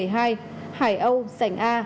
hải âu sành a